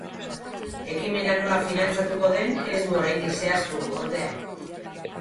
Ekimena nola finantzatuko den ez du oraindik zehaztu, ordea.